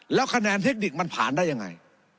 แล้วคะแนนเทคนิคมันผ่านได้ยังไง